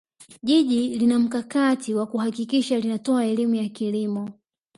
jiji linamkakati wa kuhakikisha linatoa elimu ya kilimo